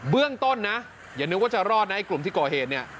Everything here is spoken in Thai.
เรื่องต้นนะอย่านึกว่าจะรอดนะไอ้กลุ่มที่ก่อเหตุเนี่ย